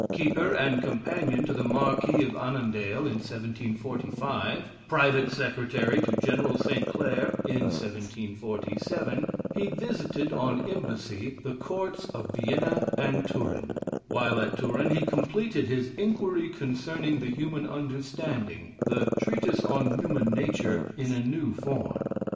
Keeper and companion to the Marquis of Annandale in 1745, private secretary to General St. Clair in 1747, he visited on embassy the courts of Vienna and Turin. While at Turin he completed his "Inquiry Concerning the Human Understanding," the "Treatise on Human Nature" in a new form.